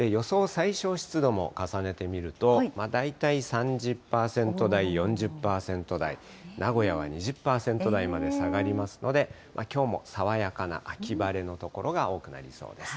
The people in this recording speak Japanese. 最小湿度も重ねてみると、大体３０％台、４０％台、名古屋は２０％台まで下がりますので、きょうも爽やかな秋晴れの所が多くなりそうです。